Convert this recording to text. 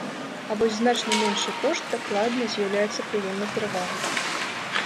А вось значна меншы кошт, дакладна, з'яўляецца прыемнай перавагай.